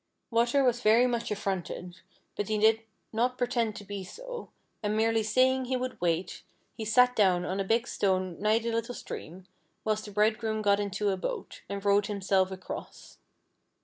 Water was ver\ much affronted, but he did not pretend to be so, and merely saying he would wait, he sat down on a big stone ni;^di the little stream, whilst the Bridegroom got into a boat, and rowed himself across.